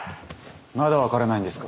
まだ分からないんですか？